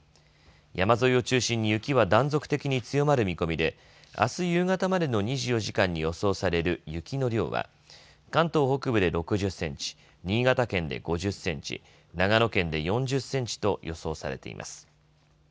山沿いを中心に雪は断続的に強まる見込みであす夕方までの２４時間に予想される雪の量は関東北部で６０センチ新潟県で５０センチ長野県で４０センチと予想されています。